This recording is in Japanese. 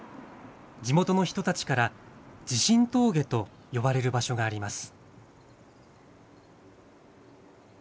地元の人たちから地震峠と呼ばれる場所があります。